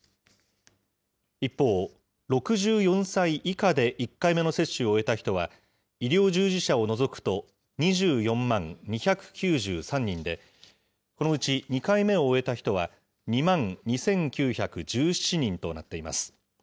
一方、６４歳以下で１回目の接種を終えた人は、医療従事者を除くと２４万２９３人で、このうち２回目を終えた人は、２万２９１７人となっています。